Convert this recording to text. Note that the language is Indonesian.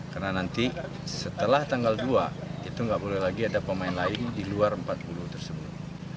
karena nanti setelah tanggal dua itu gak boleh lagi ada pemain lain di luar empat puluh tersebut